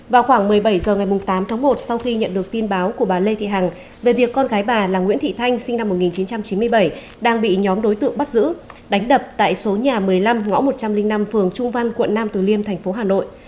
vào khoảng một mươi bảy h ngày tám tháng một sau khi nhận được tin báo của bà lê thị hằng về việc con gái bà là nguyễn thị thanh sinh năm một nghìn chín trăm chín mươi bảy đang bị nhóm đối tượng bắt giữ đánh đập tại số nhà một mươi năm ngõ một trăm linh năm phường trung văn quận nam từ liêm thành phố hà nội